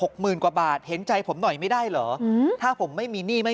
หมื่นกว่าบาทเห็นใจผมหน่อยไม่ได้เหรออืมถ้าผมไม่มีหนี้ไม่